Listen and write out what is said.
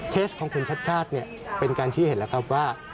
ของคุณชัดชาติเป็นการชี้เห็นแล้วครับว่า